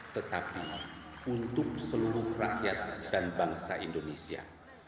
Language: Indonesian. tetapi untuk seluruh rakyat dan bangsa indonesia